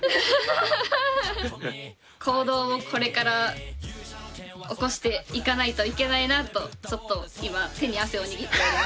行動をこれから起こしていかないといけないなとちょっと今手に汗を握っております。